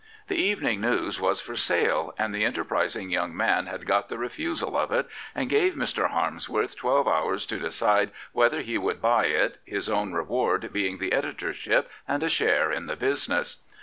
The Evening News was for sale, and the enterprising young man had got the refusal of it, and gave Mr. Harmsworth twelve hours to decide whether he would buy it, his own reward being the editorship and a share in the business.